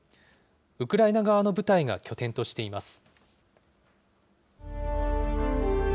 ウクライナ側の部隊が拠点としています。